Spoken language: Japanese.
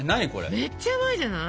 めっちゃうまいじゃない！